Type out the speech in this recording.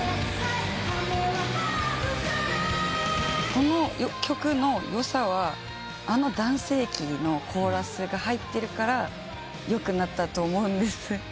この曲のよさはあの男性キーのコーラスが入ってるからよくなったと思うんです。